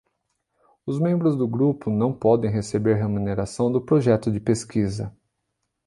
Os membros do grupo não podem receber remuneração do projeto de pesquisa.